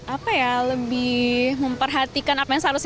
apa ya lebih memperhatikan apa yang seharusnya